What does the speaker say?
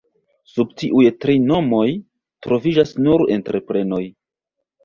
Sub tiuj tri nomoj troviĝas nur entreprenoj.